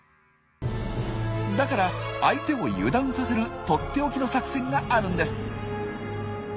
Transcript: だから相手を油断させるとっておきの作戦があるんです。